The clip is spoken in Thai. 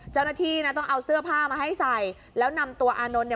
เจ้าหน้าที่นะต้องเอาเสื้อผ้ามาให้ใส่แล้วนำตัวอานนท์เนี่ย